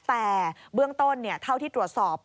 แต่เบื้องต้นเท่าที่ตรวจสอบ